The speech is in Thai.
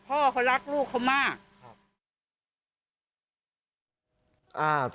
เป็นคุณพ่อเลี้ยงเดียว